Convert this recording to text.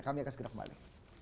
kami akan segera kembali